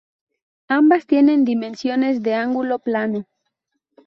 Ambas tienen dimensiones de ángulo plano.